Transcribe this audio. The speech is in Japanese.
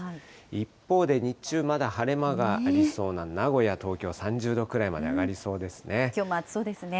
一方で日中、まだ晴れ間がありそうな名古屋、東京は３０度くらいまで上がりそきょうも暑そうですね。